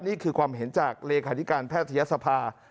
นี่คือความเห็นจากเลขาธิการแพทยศภา